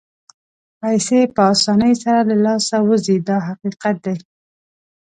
پیسې په اسانۍ سره له لاسه وځي دا حقیقت دی.